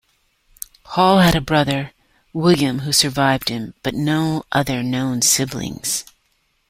Hall had a brother, William, who survived him, but no other known siblings.